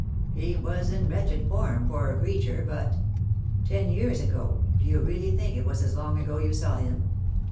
He was in wretched form, poor creature, but " "Ten years ago, do you really think it was as long ago you saw him?"